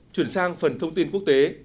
chuyển sang phần thông tin quốc tế